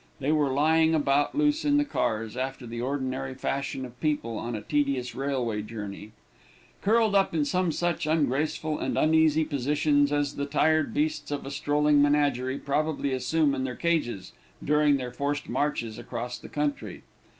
They were lying about loose in the cars, after the ordinary fashion of people on a tedious railway journey; curled up in some such ungraceful and uneasy positions as the tired beasts of a strolling menagerie probably assume in their cages during their forced marches across the country.